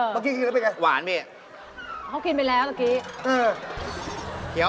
พี่กินเยอะกว่านี้อีกโอ้โฮ